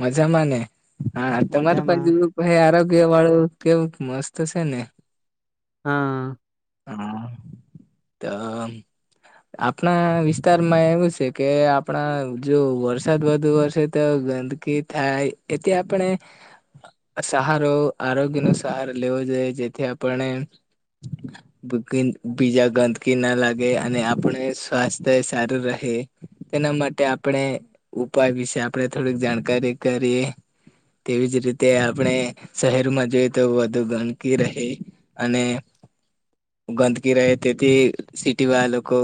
મજા માંને હા તમારે મજામાં પણુ પાઈ આરોગ્ય વાળું કેવું મસ્ત છેને. હા હા, તો આપણા વિસ્તારમાં એવું છે કે આપણા જો વરસાદ વધુ વરસે તો ગંદ કે થાય એથી આપણે સહારો આરોગ્યનો સહારો લેવો જોઈએ જેથી આપણે બીજા ગંદકી ના લાગે અને આપડ સ્વાસ્થ્ય સારું રહે. - તેના માટે આપણે ઉપાય વિશે આપણે થોડીક જાણકારી કરીએ. - તેવીજ રીતે આપણે શહેરમાં જોઈએ તો વધુ ગણકી રહે. અને ગંદકી રહેતીથી સિટી વાો કો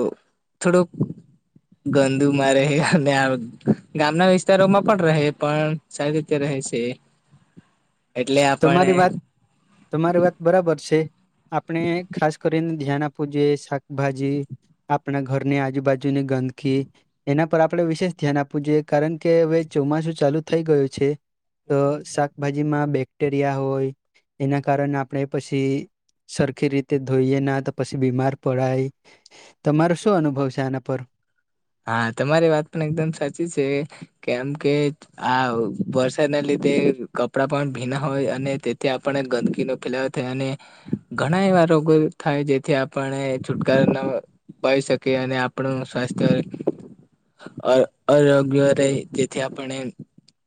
થોડું ગંદુમાં રહે અને ગામના વિસ્તારોમાં પણ રહે પણ સાઈડીતે રહે છે. - તમારી વાત તમારી વાત બરાબર છે. - આપણે ખાસ કરીને ધ્યાન આપવું જોઈએ શાકભાજી આપણા ઘરની આજુબાજુની ગંદકી એના પર આપણે વિશેષ ધ્યાન આપવું જોઈએ કારણ કે હવે ચોમાસું ચાલુ થઈ ગયું છે. - તો શાકભાજીમાં બેક્ટેરિયા હોય એના કારણે આપણે પછી સરખી રીતે ધોઈએ ના તો પછી બીમાર પડાય તમારો શું અનુભવ છે આના પર હા તમારી વાત પણ એકદમ સાચી છે કેમ કે આ વરસાદના લીધે કપડાં પણ ભીના હોય અને તેથી આપણે ગંદકીનો ફેલાવે ઘણા એવા રોગો થાય જેથી આપણે છુટકારા બય શકે અને આપણું સ્વાસ્થ્ય અ અરોગ્ય ર જેથી આપણે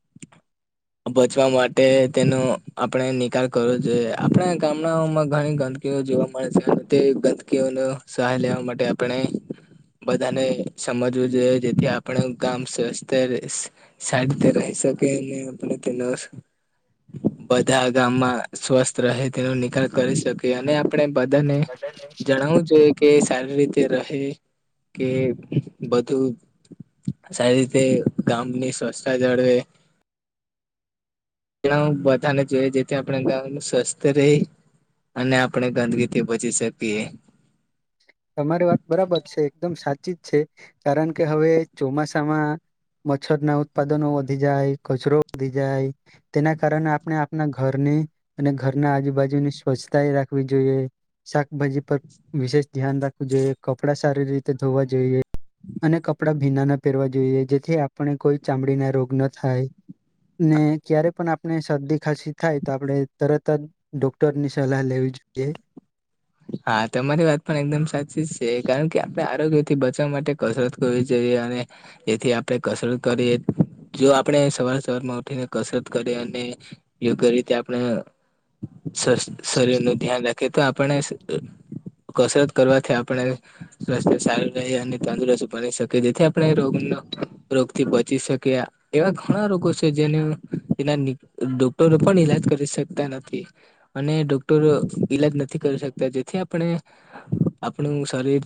[inaudible] બચવા માટે તેનો આપણે નિકાલ કરવો જોઈએ આપણા ગામડાઓમાં ઘણી જોવા મળે છે તે ગંદકીઓનો સહાય લેવા માટે આપણે બધાને સમજવું જોઈએ જેથી આપણે ગામ સ્વસ્થ સાડ રીતે રહી શકે આપડ ત્યાં ન બધા ગામમાં સ્વસ્થ રહે તેનો નિકાલ કરી શકી અને આપણે બધાને જણાવવું જોઈએ કે સારી રીતે રહે કે બધું સારી રીતે ગામની સ્વચ્છતા જાળવે. - બધાને જોઈએ જેથી આપણે [unintelligible] ગ સ્વસ્થ રહી અને આપણે ગંદકીથી બચી શકીએ. - તમારી વાત બરાબર છે એકદમ સાચી જ છે કારણ કે હવે ચોમાસામાં મચ્છર ના ઉત્પાદનો વધી જાય, કચરો વધી જાય. - તેના કારણે આપણે આપના ઘરની અને ઘરના આજુબાજુની સ્વચ્છતા એ રાખવી જોઈએ. - શાકભાજી પર વિશેષ ધ્યાન રાખવું જોઈએ કપડા સારી રીતે ધોવા જોઈએ. - અને કપડા ભીના ના પહેરવા જોઈએ જેથી આપણે કોઈ ચામડીના રોગ ન થાય. - ને ક્યારે પણ આપણે શરદી ખાસી થાય તો આપણે તરત જ ડોક્ટર ની સલાહ લેવી જોઈએ. - હા તમારી વાત પણ એકદમ સાચી જ છે કારણ કે આપડણે આરોગ્ય થી બચવા માટે કસરત ગ [inaudible] જએ અને એથી આપણે કસરત કરીએ જો આપણે સવાર સવારમાં ઉઠીને કસરત કરીએ અને યોગ્ય રીતે આપણે શરીર નું ધ્યાન રાખીએ તો આપણે કસરત કરવાથી આપણે સ્વાસ્થ્ય સારું રહે અને તંદુરસ્ત બની શકે જેથી આપણે એ રોગ નો રોગથી બચી શકે. - એવા ઘણા રોગો છે જેને એના ડોક્ટરો પણ ઈલાજ કરી શકતા નથી. - અને ડોક્ટરો ઈલાજ નથી કરી શકતા તો જેથી આપણે આપણું શરીર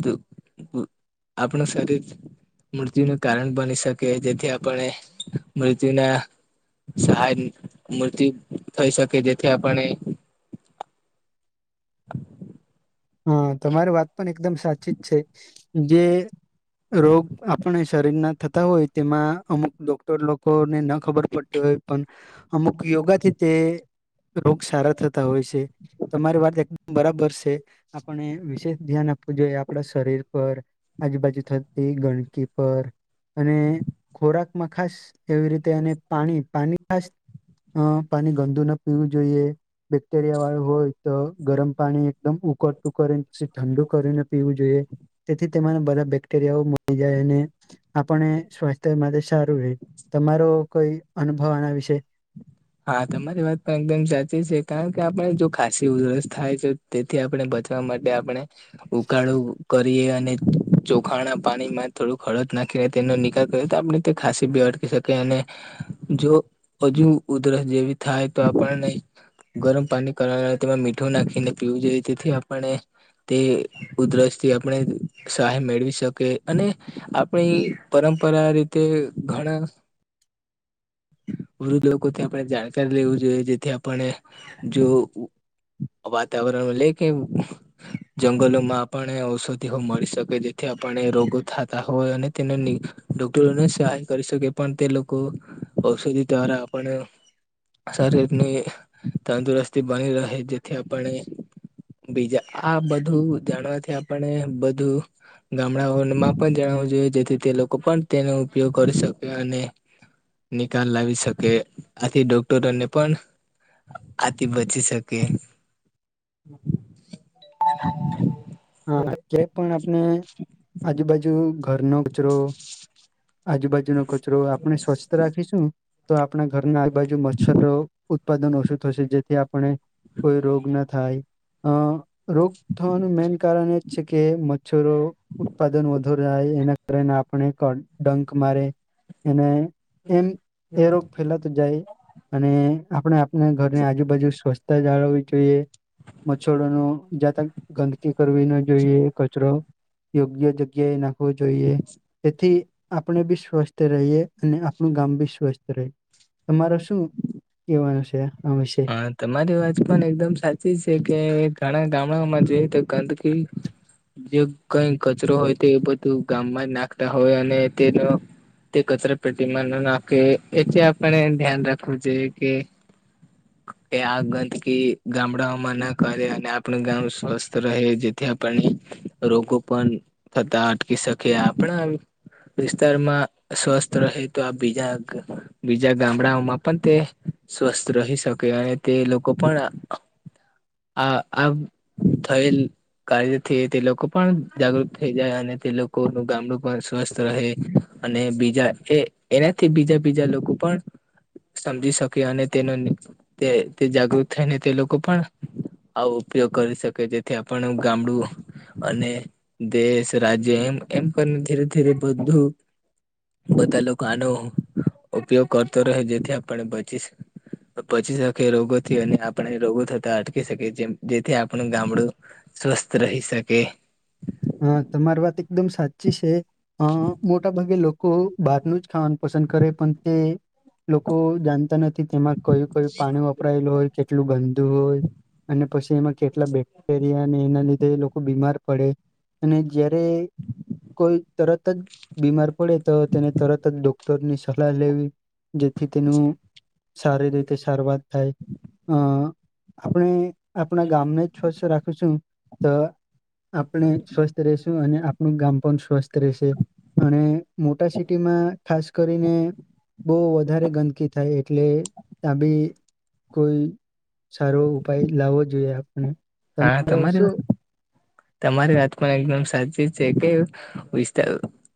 આપણું શરીર મૃત્યુનું કારણ બની શકે જેથી આપણે મૃત્યુના સહાય મૂર્તિ થઈ શકે જેથી આપણે [inaudible] હા! તમારી વાત પણ એકદમ સાચી જ છે, જે રોગ આપ પણે શરીર ના થતા હોય, તેમાં અમુક ડોક્ટર લોકોને ન ખબર પડ હોય પણ, અમુક યોગાથી તે રોગ સારા થતા હોય છે, તમારી વાત એકદમ બરાબર છે. આપણે વિશેષ ધ્યાન આપવું જોઈએ આપણા શરીર પર. આજુબાજુ થતી ગણકી પર, અને ખોરાકમાં ખાસ એવી રીતે અને પાણી, પાણી ખાસ પાણી ગંદુ ના પીવું જોઈએ. બેક્ટેરિયા વાળું હોય તો, ગરમ પાણી એકદમ ઉક કાળીને પસી ઠંડુ કરીને પીવું જોઈએ, તેથી તેને બધા બેક્ટેરિયાઓ મળી જાય અને આપને સ્વાસ્થ્ય માટે સારું રહે, તમારો કોઈ અનુભવ આના વિશે? હા તમારી વાત પણ એકદમ સાચી છે, કારણ કે આપડે જો ખાસી ઉધરસ થાય છે. તેથી આપણે બચવા માટે આપણે, ઉકાળો કરીએ અને ચોખાણ ના પાણીમાં થોડું ખડદ નાખીને તેનો નિકાલ કર તો, આપણે તે ખાંસી બી અટકી શકી, અને જો, હજુ ઉધરસ જેવી થાય તો આપણે નહી ગરમ પાણી કરારા કરવા, તેમાં મીઠું નાખીને પીવું જોઈએ, તેથી આપણે તે ઉધરસ થી આપણે સહાય મેળવી શકે, અને આપણી પરંપરા રીતે ઘણા વૃદ્ધ લોકોથી આપણે જાણકારી લેવું જોઈએ, જેથી આપણે જો વાતાવરણ ઉલ્લેખીમ જંગલોમાં આપણે ઔષધિહો મળી શકે, જેથી આપડે રોગો થતા હોય અને તેને ની ડોક્ટરોને સહાય કરી શકે, પણ તે લોકો ઔષધિ દ્વારા આપણે શરીરની તંદુરસ્તી બની રહે, જેથી આપણે બીજા, આ બધું જાણવાથી આપને બધું ગામડાઓ માં પણ જણાવવું જોઈએ, જેથી તે લોકો પણ તેનો ઉપયોગ કરી શકે, અને નિકાલ લાવી શકે, આથી ડોક્ટરોને પણ આથી બચી શકે. [inaudible] હા! ક્યા પણ આપણે આજુબાજુ ઘરનો કચરો આજુબાજુનો કચરો, આપણે સ્વચસ્થ રાખીશું. તો આપણા ઘરના આજુબાજુ મચ્છર નો ઉત્પાદન ઓછું થશે, જેથી આપણે કોઈ રોગ ના થાય, અ રોગ થવાનું મેન કારણએજ છે કે મચ્છરો. ઉત્પાદન વધુ રાય, એના કારણે આપણે ક ડંખ મારે, એને એમ એ રોગ ફેલાતો જાય. અને આપણે આપણા ઘરની આજુબાજુ સ્વચ્છતા જાળવવી જોઈએ. મચ્છરો નો જાતા ગંદ કી કરવી ન જોઈએ, કચરો યોગ્ય જગ્યાએ નાખવો જોઈએ, તેથી આપણે બી સ્વસ્થ રહીએ, અને આપણું ગામ બી સ્વસ્થ રહે, તમારે શું કેવાનું સે, આ વિશે? હા, તમારી વાત પણ એકદમ સાચી છે કે, ઘણા ગામડાઓમાં જોઈએ તો ગંદકી જે કઈ કચરો હોય, તો બધું ગામમાં જ નાખતા હોય, અને તેનો તે કચરા પેટીમા ન નાખે, એથી આપણે ધ્યાન રાખવું જોઈએ, કે કે આ ગંદકી ગામડાઓમાં ના કરે, અને આપણું ગામ સ્વસ્થ રહે, જેથી આપણને રોગો પણ થતા અટકી શકે, આપડે આમ વિસ્તારમાં સ્વસ્થ રહે, તો આ બીજા, ગ બીજા ગામડાઓમાં પણ તે સ્વસ્થ રહી શકે, અને તે લોકો પણ આ આમ થયેલ કર્યા થી તે લોકો પણ જાગૃત થઈ જાય, અને તે લોકોનું ગામડું પણ સ્વસ્થ રહે. અને બીજા એ, એનાથી બીજા બીજા લોકો પણ સમજી શકે, અને તેનો તે તે જાગૃત થાયને, તે લોકો પણ આવો ઉપયોગ કરી શકે જેથી આપણ ગામડું અને દેશ રાજ્ય એમ એમ કરીને ધીરે ધીરે બધું બધા લોકો આનો ઉપયોગ કરતો રહ્યો જેથી આપણે બચી બચી શકે રોગોથી અને આપણે રોગો થતા અટકી શકીએ જે જેથી આપણું ગામડું સ્વસ્થ રહી શકે હા તમારી વાત એકદમ સાચી છે અ મોટા ભાગે લોકો ભારનું જ ખાવાનું પસંદ કરે પણ તે લોકો જાણતા નથી તેમાં કય કોઈ પાણી વપરાયેલું હોય કેટલું ગંદુ હોય અને પછી એમાં કેટલા બેક્ટેરિયા અને એના લીધે લોકો બીમાર પડે અને જયારે કોઈ તરત જ બીમાર પડે તો તેને તરત જ ડોક્ટર ની સલાહ લેવી જેથી તેનું સારી રીતે સારવાર થાય અ આપણે આપણા ગામને જ સ્વચ્છ રાખું છું તો આપણે સ્વસ્થ રશું અને આપણું ગામ પણ સ્વસ્થ રહેશે અને મોટા સિટીમાં ખાસ કરીને બહુ વધારે ગંદકી થાય એટલે ત્યા બી કોઈ સારો ઉપાય લાવવો જોઈએ આપને હા તમારે તમારી આત્મા એકદમ સાજે છે કે વિસ્તાર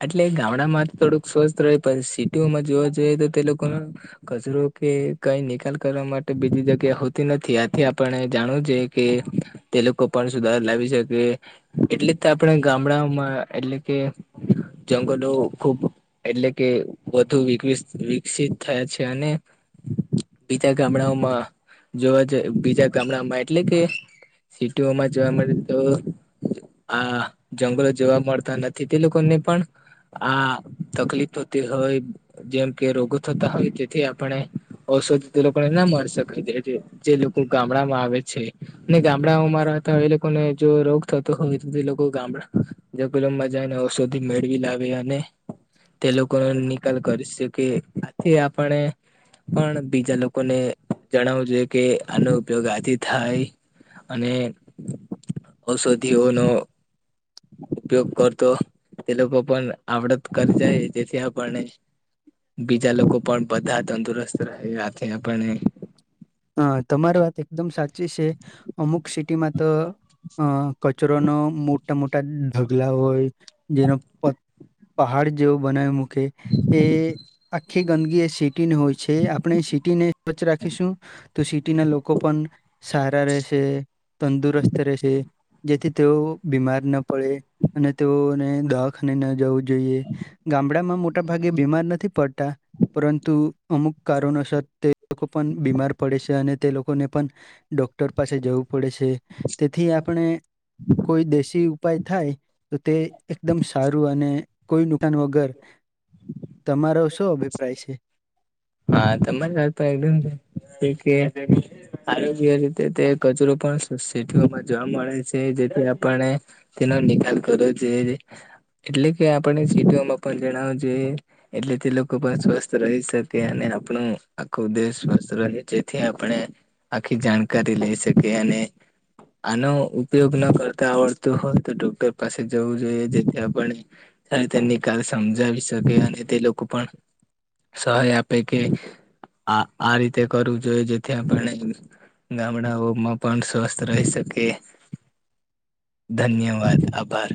એટલે ગામડામાં થોડુંક સ્વસ્થ રહે પણ સિટીઓમાં જોવા જઈએ તો તે લોકો કચરો કે કઈ નિકાલ કરવા માટે બીજી જગ્યા હોતી નથી આથી આપણે જાણવું જોઈએ કે તે લોકો પણ સુધાર લાવી શકે એટલે તો આપણે ગામડામાં એટલે કે જંગલો ખુબ એટલે કે વધુ વ વિકસિત થયા છે અને બીજા ગામડાઓમાં જોવા જઈ બીજા ગામડામાં એટલે કે સિટીઓમાં જોવા મળે તો આ જંગલો જોવા મળતા નથી તે લોકોને પણ આ તકલીફ થતી હોય જેમ કે રોગો થતા હોય તેથી આપણે ઔષધિ તે લોકોને ના મળી શકે જે લોકો ગામડા માં આવે છે ને ગામ ગામડાઓમાં રહેતા હોય એ લોકોને જો રોગ થતો હોય તો લોકો ગામડા જ કુલમમાં જાય ને ઔષધ મેળવી લાવે અને તે લોકોનો નિકાલ કરી શકે આથી આપણે પણ બીજા લોકોને જણાવવું જોઈએ કે આનો ઉપયોગ આથી થાય અને ઔષધિઓનો ઉપયોગ કરતો તે લોકો પણ આવડત કરી જાય જેથી આપણને બીજા લોકો પણ બધા તંદુરસ્ત રહે આથી આપણે હ તમારી વાત એકદમ સાચી છે અમુક સિટીમાં તો અ કચરો ન મોટા મોટા ઢગલા હોય જેનો પહાડ જેવો બનાવી મક ઓકે એ આખી ગંદકીી એ સિટી ને હોય છે આપણે સિટી ને સ્વચ્છ રાખીશું તો સિટીના લોકો પણ સારા રહેશે તંદુરસ્ત રહેશે જેથી તેઓ બીમાર ના પડે અને તેઓને દખને ન જવું જોઈએ ગામડામાં મોટા ભાગે બીમાર નથી પડતા પરંતુ અમુક કારણોસર તે લોકો પણ બીમાર પડે છે અને તે લોકોને પણ ડોક્ટર પાસે જવું પડે છે તેથી આપણે કોઈ દેશી ઉપાય થાય તો તે એકદમ સારું અને કોઈ નુકસાન વગર તમારો શું અભિપ્રાય છે હા તમેજ બોલતા હોય ઈ બેન ક્યાં કે કે આરોગ્ય રીતે તે કચરો પણ સિટીઓમાં જોવા મળે છે. જે જેથી આપણે તનો નિકાલ કરવો જોઈએ. એટલે કે આપણે સીધઓમાં પણ જણાવું જો એટલે તે લોકો પણ સ્વસ્થ રહી શકે અને પણ આપણું આખું દેશ સ્વસ્થ રહે જેથી આપણે આખી જાણકારી લઈ શકે અને આનો ઉપયોગ ન કરતા આવડતું હોય તો ડોક્ટર પાસે જવું જોઈએ જેથી આપણે ત્યારે તેમની [unintelligible] સમજાવી શકે અને તે લોકો પણ સહાય આપે કે આ આ રીતે કરવું જોઈએ જેથી આપણે ગામડાઓમાં પણ સ્વસ્થ રહી શકે. ધન્યવાદ આભાર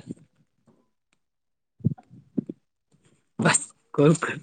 બસ કોલકર